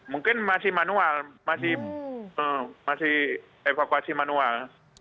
mungkin masih manual masih evakuasi manual